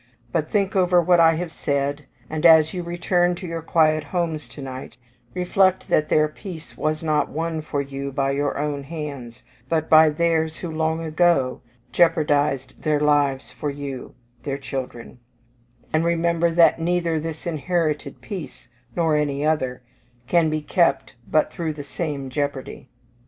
But think over what I have said, and as you return to your quiet homes to night, reflect that their peace was not won for you by your own hands; but by theirs who long ago jeoparded their lives for you, their children; and remember that neither this inherited peace, nor any other, can be kept, but through the same jeopardy.